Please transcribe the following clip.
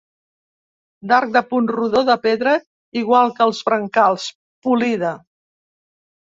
D'arc de punt rodó de pedra, igual que els brancals, polida.